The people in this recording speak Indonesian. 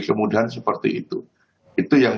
kemudahan seperti itu itu yang